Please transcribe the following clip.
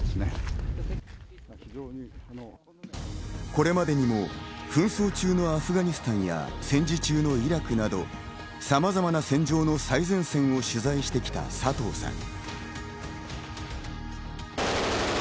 これまでにも紛争中のアフガニスタンや戦時中のイラクなど、さまざまな戦場の最前線を取材してきた佐藤さん。